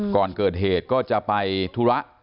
ก่อนเกิดเหตุก็จะไปธุระ